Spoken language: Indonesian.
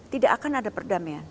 tidak akan ada perdamaian